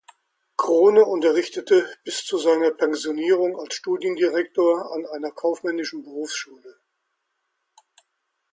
Krohne unterrichtete bis zu seiner Pensionierung als Studiendirektor an einer kaufmännischen Berufsschule.